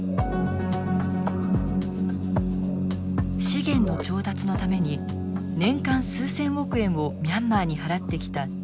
資源の調達のために年間数千億円をミャンマーに払ってきた中国。